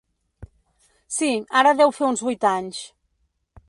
Sí, ara deu fer uns vuit anys.